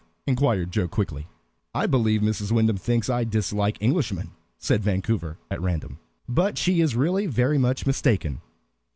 inquired Joe quickly. "I believe Mrs. Wyndham thinks I dislike Englishmen," said Vancouver at random. "But she is really very much mistaken."